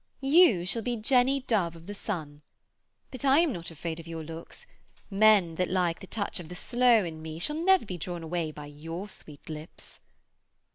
You shall be Jenny Dove of the Sun. But I am not afraid of your looks. Men that like the touch of the sloe in me shall never be drawn away by your sweet lips.'